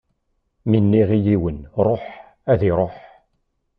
Ma nniɣ i yiwen: Ṛuḥ, ad iṛuḥ.